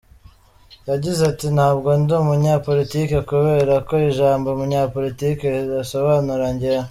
Yagize ati “Ntabwo ndi umunyapolitiki kubera ko ijambo umunyapolitiki ridasobanura njyewe.